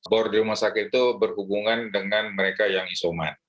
bor di rumah sakit itu berhubungan dengan mereka yang isoman